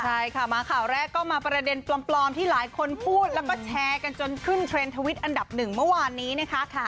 ใช่ค่ะมาข่าวแรกก็มาประเด็นปลอมที่หลายคนพูดแล้วก็แชร์กันจนขึ้นเทรนด์ทวิตอันดับหนึ่งเมื่อวานนี้นะคะ